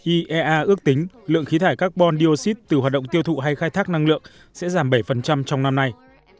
iea ước tính lượng khí thải carbon dioxide từ hoạt động tiêu thụ hay khai thác năng lượng sẽ giảm bảy trong năm nay